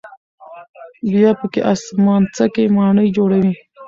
بیا پکې آسمانڅکې ماڼۍ جوړوي.